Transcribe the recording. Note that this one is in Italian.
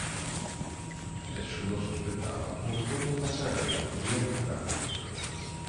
Nessuno sospettava un ritorno in passerella così eclatante.